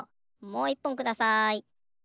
もういっぽんください。